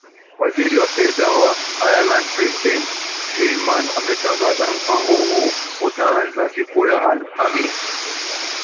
waziri wa fedha wa ireland brian lehman ametangaza mpango huo utaanza siku ya alhamisi